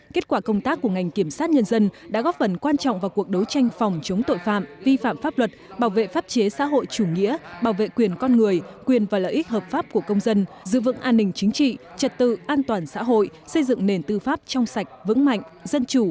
kết quả công tác của ngành kiểm sát nhân dân đã góp phần quan trọng vào cuộc đấu tranh phòng chống tội phạm vi phạm pháp luật bảo vệ pháp chế xã hội chủ nghĩa bảo vệ quyền con người quyền và lợi ích hợp pháp của công dân giữ vững an ninh chính trị trật tự an toàn xã hội xây dựng nền tư pháp trong sạch vững mạnh dân chủ